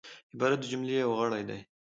عبارت د جملې یو غړی دئ.